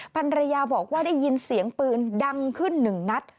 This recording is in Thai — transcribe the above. ภรรยาบอกว่าได้ยินเสียงปืนดังขึ้นหนึ่งนัด